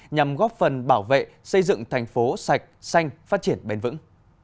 nhằm góp phần bảo vệ xây dựng thành phố sạch xanh phát triển bền vững